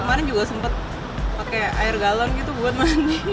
kemarin juga sempet pakai air galang gitu buat mandi